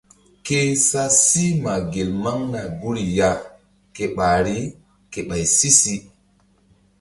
Ke sa sí ma gel maŋna guri ya ke ɓahri ke ɓay si-si.